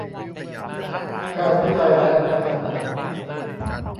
การวิจัยและการพัฒนา